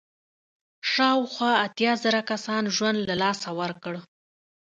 شاوخوا اتیا زره کسانو ژوند له لاسه ورکړ.